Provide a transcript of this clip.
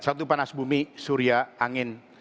satu panas bumi surya angin